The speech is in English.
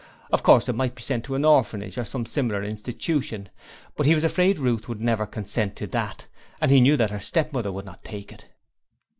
Of course it might be sent to an orphanage or some similar institution, but he was afraid Ruth would never consent to that, and he knew that her stepmother would not take it.